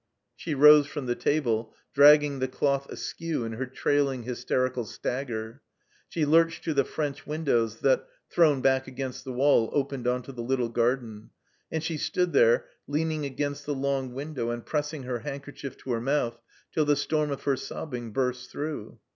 She rose from the table, dragging the cloth askew in her trailing, hysterical stagger. She lurched to the French window that, thrown back against the wall, opened onto the little garden. And she stood there, leaning against the long window and pressing her handkerchief to her mouth till the storm of her sobbing burst through.